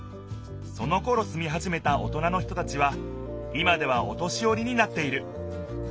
そのころすみはじめたおとなの人たちは今ではお年よりになっている。